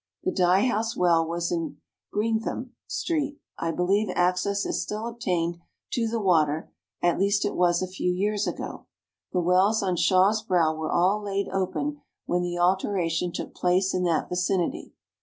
The Dye House Well was in Greetham street. I believe access is still obtained to the water, at least it was a few years ago. The wells on Shaw's brow were all laid open when the alteration took place in that vicinity.